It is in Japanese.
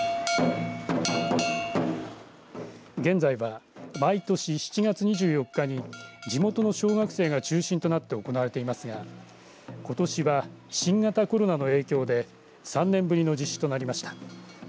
現在は毎年７月２４日に地元の小学生が中心となって行われていますがことしは新型コロナの影響で３年ぶりの実施となりました。